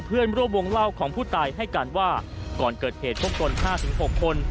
เพื่อนร่วมวงเหล้าของผู้ตายให้การว่าก่อนเกิดเหตุพวกตนห้าถึงหกคน